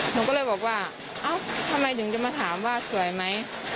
หนูก็เลยบอกว่าเอ้าทำไมถึงจะมาถามว่าสวยไหม